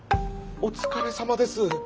お疲れさまです。